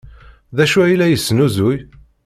D acu ay la yesnuzuy?